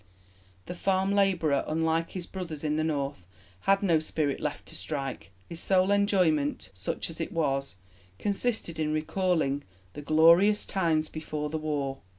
The farm labourer, unlike his brothers in the North, had no spirit left to strike. His sole enjoyment such as it was consisted in recalling "'the glorious times before the war